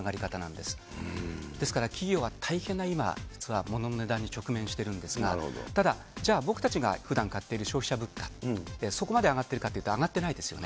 ですから企業は大変な今、実は物の値段に直面してるんですが、ただ、じゃあ僕たちがふだん買っている消費者物価、そこまで上がってるかっていうと上がってないですよね。